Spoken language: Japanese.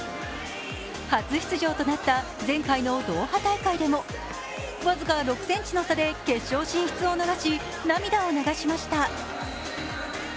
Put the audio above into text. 初出場となった前回のドーハ大会でも僅か６ｃｍの差で決勝進出を逃し涙を流しました。